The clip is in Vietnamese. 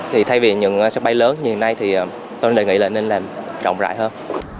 thì thay vì những sân bay lớn như hiện nay thì tôi đề nghị là nên làm rộng rãi hơn